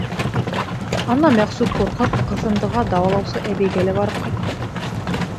Ана Мәҡсүт ҡурҡып Ҡыҫындыға дауалаусы әбейгә лә барып ҡайтты.